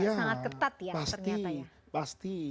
sangat ketat ya ternyata